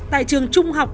tại trường trung học